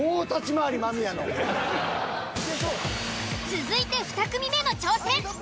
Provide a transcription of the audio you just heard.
続いて２組目の挑戦。